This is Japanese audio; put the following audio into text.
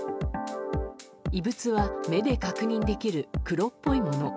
異物は目で確認できる黒っぽいもの。